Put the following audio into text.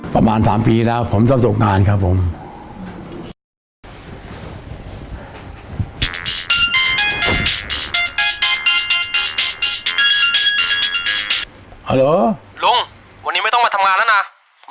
ประมาณ๓ปีแล้วผมสร้างงานครับผม